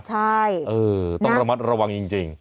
ใช่ต้องระมัดระวังจริง